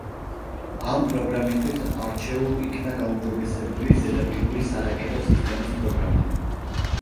ამ პროგრამისთვის არჩეულ იქნა „გაუმჯობესებული ზედაპირული სარაკეტო სისტემის“ პროგრამა.